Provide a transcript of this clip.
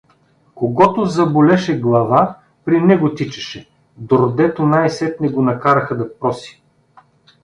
Когото заболеше глава, при него тичаше, дордето най-сетне го накараха да проси.